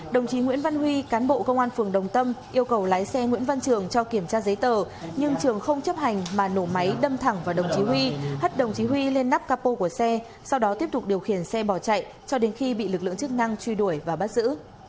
đồng chí nguyễn văn huy cán bộ công an phường đồng tâm yêu cầu lái xe nguyễn văn trường cho kiểm tra giấy tờ nhưng trường không chấp hành mà nổ máy đâm thẳng vào đồng chí huy hắt đồng chí huy lên nắp capo của xe sau đó tiếp tục điều khiển xe bỏ chạy cho đến khi bị lực lượng chức năng truy đuổi và bắt giữ